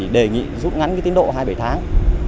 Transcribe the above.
đề nghị rút ngắn tiến độ hai mươi bảy tháng